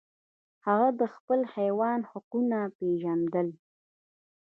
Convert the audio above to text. هغه د خپل حیوان حقونه پیژندل.